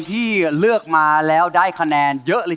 อย่าลืมนะครับว่าต้องได้๒๐๐คะแนนขึ้นไป